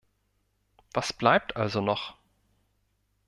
Was bleibt also noch?